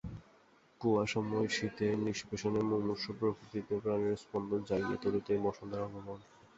কুয়াশাময় শীতের নিষ্পেষণে মুমূর্ষু প্রকৃতিতে প্রাণের স্পন্দন জাগিয়ে তুলতেই বসন্তের আগমন।